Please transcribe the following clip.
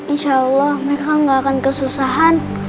insya allah mereka gak akan kesusahan